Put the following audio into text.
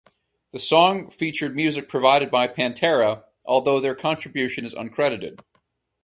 The song featured music provided by Pantera, although their contribution is uncredited.